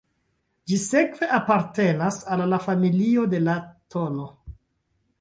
Ĝi sekve apartenas al la familio de la tn.